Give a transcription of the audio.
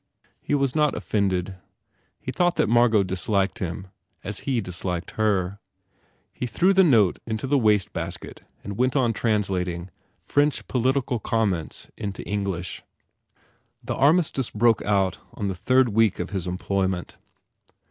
He was not offended. He thought that Margot disliked him as he dis liked her. He threw the note into the waste basket and went on translating French political comments into English. The Armistice broke on the third week of this employment.